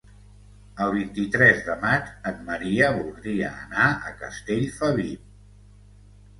El vint-i-tres de maig en Maria voldria anar a Castellfabib.